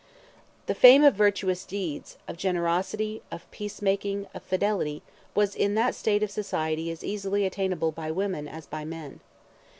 The fame of virtuous deeds, of generosity, of peace making, of fidelity, was in that state of society as easily attainable by women as by men.